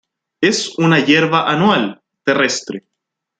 Es una hierba anual, terrestre.